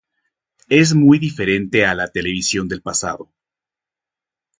Es muy diferente a la televisión del pasado".